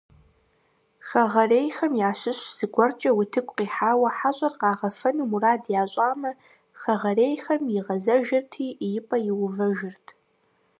Хэгъэрейхэм ящыщ зыгуэркӀэ утыку къихьауэ хьэщӀэр къагъэфэну мурад ящӀамэ, хэгъэрейхэм игъэзэжырти, и пӀэ иувэжырт.